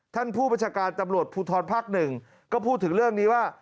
ท่านผู้บัญชาการตำรวจภูทรภาคหนึ่งก็พูดถึงเรื่องนี้ว่า